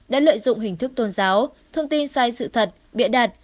đã lợi dụng hình thức tôn giáo thông tin sai sự thật bịa đặt